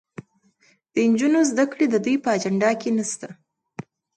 د نجونو زدهکړه د دوی په اجنډا کې نشته.